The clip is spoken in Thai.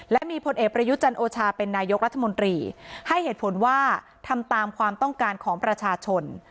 และมีผลเอกประยุจันโอชาเป็นนายกรัฐมนตรีให้เหตุผลว่าทำตามความต้องการของประชาชน